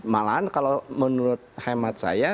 malahan kalau menurut hemat saya